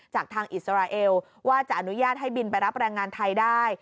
จากทางอิสราเอลว่าจะอนุญาตให้บินไปรับแรงงานไทยได้